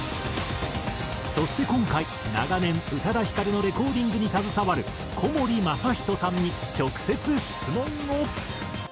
そして今回長年宇多田ヒカルのレコーディングに携わる小森雅仁さんに直接質問を。